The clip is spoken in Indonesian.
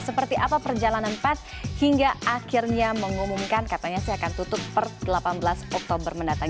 seperti apa perjalanan pet hingga akhirnya mengumumkan katanya saya akan tutup per delapan belas oktober mendatang